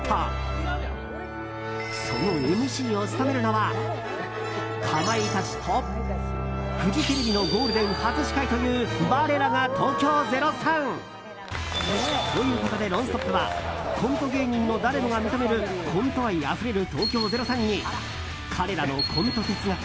そのＭＣを務めるのはかまいたちとフジテレビのゴールデン初司会という、我らが東京０３。ということで「ノンストップ！」はコント芸人の誰もが認めるコント愛あふれる東京０３に彼らのコント哲学